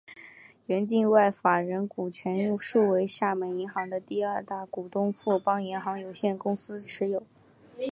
原境外法人股全数为厦门银行的第二大股东富邦银行有限公司持有。